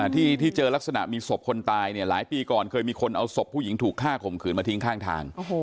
ที่เจอลักษณะมีศพคนตายเนี่ยหลายปีก่อนเคยมีคนเอาศพผู้หญิงถูกฆ่าข่มขืนมาทิ้งข้างทาง